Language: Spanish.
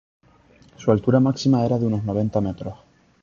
Su altura máxima era de unos noventa metros.